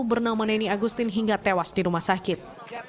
bernama neni agustin hingga tewas di rumah sakit